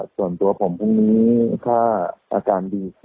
ส่วนตัวผมพรุ่งนี้ถ้าอาการดีขึ้น